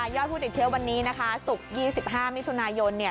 ยอดผู้ติดเชื้อวันนี้นะคะศุกร์๒๕มิถุนายน